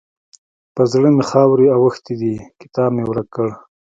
پر زړه مې خاورې اوښتې دي؛ کتاب مې ورک کړ.